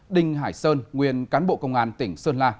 đinh hải sơn nguyên cán bộ công an tỉnh sơn la